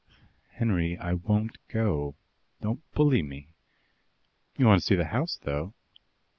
"Henry, I won't go. Don't bully me." "You want to see the house, though?"